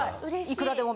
いくらでも。